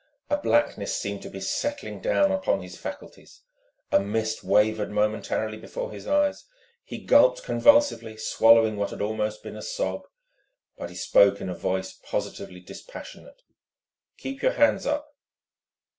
A blackness seemed to be settling down upon his faculties. A mist wavered momentarily before his eyes. He gulped convulsively, swallowing what had almost been a sob. But he spoke in a voice positively dispassionate. "Keep your hands up."